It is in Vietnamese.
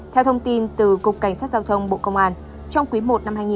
theo thông tin từ cục cảnh sát giao thông bộ công an trong quý i năm hai nghìn hai mươi bốn